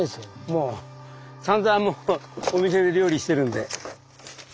もうさんざんお店で料理してるんで。